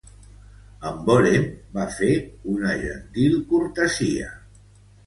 En vore'm, va fer una gentil cortesia.